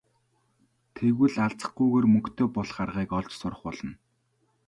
Тэгвэл алзахгүйгээр мөнгөтэй болох аргыг олж сурах болно.